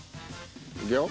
いくよ。